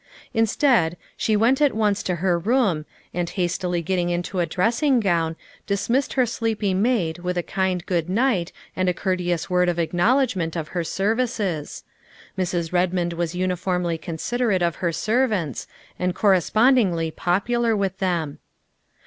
Instead, she went at once to her room and, hastily getting into a dressing gown, dismissed her sleepy maid with a kind good night and a courteous word of acknowl edgment of her services. Mrs. Redmond was uniformly considerate of her servants and correspondingly popular with them.